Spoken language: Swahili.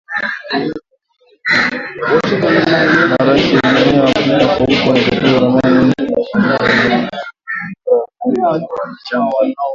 Marais wa Jumuiya ya Africa Mashariki wamezindua ramani mpya baada kuingizwa kwa Jamhuri ya Kidemokrasia ya Kongo kuwa wanachama.